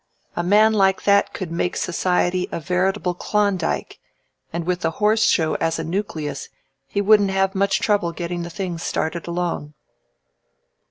A man like that could make society a veritable Klondike, and with the Horse Show as a nucleus he wouldn't have much trouble getting the thing started along."